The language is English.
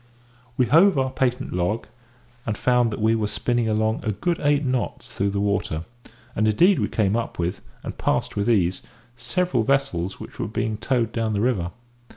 We hove our patent log, and found that we were spinning along a good eight knots through the water; and indeed we came up with, and passed with ease, several vessels which were being towed down the river.